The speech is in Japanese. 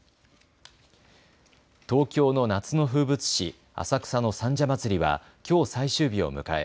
東京の夏の風物詩、浅草の三社祭はきょう最終日を迎え